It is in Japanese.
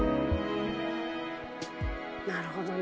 なるほどね。